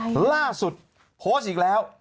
วันอะไรน่ะล่าสุดโพสต์อีกแล้ว